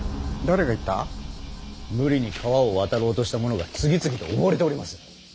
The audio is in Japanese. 無理に川を渡ろうとした者が次々と溺れております。